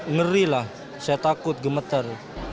ngeri lah saya takut gemeter